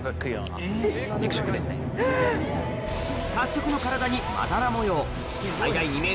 褐色の体にまだら模様